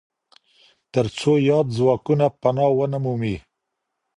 ترڅو ياد ځواکونه پناه و نه مومي.